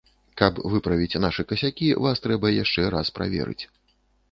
Каб выправіць нашы касякі, вас трэба яшчэ раз праверыць.